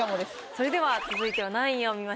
それでは続いては何位を見ましょうか？